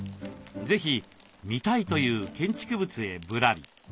是非見たいという建築物へぶらり。